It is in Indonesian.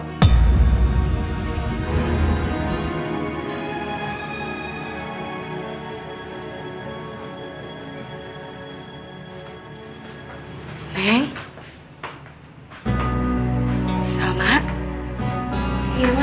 kamu berani sekali lagi mendekati dia salma kan saya pindahkan dari sm garuda